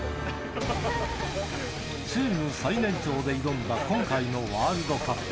チーム最年長で挑んだ今回のワールドカップ。